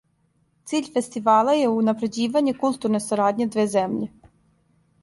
Циљ фестивала је унапређивање културне сарадње две земље.